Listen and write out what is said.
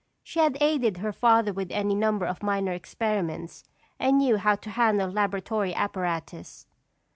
She had aided her father with any number of minor experiments and knew how to handle laboratory apparatus.